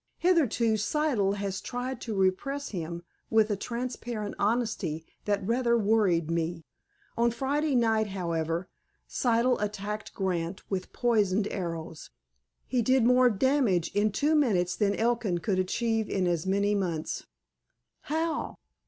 Hitherto, Siddle has tried to repress him, with a transparent honesty that rather worried me. On Friday night, however, Siddle attacked Grant with poisoned arrows. He did more damage in two minutes than Elkin could achieve in as many months." "How?"